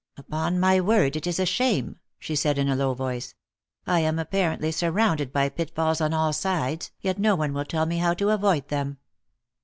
"Upon my word, it is a shame!" she said in a low voice. "I am apparently surrounded by pitfalls on all sides, yet no one will tell me how to avoid them."